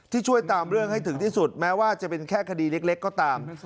ช่วยตามเรื่องให้ถึงที่สุดแม้ว่าจะเป็นแค่คดีเล็กก็ตาม